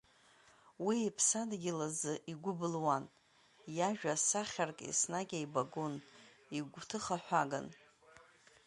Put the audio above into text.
Уи иԥсадгьыл азы игәы былуан, иажәа сахьарк еснагь еибагон, игәҭыхаҳәаган.